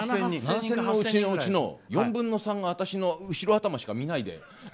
そのうちの４分の３が私の後ろ頭しか見ないで。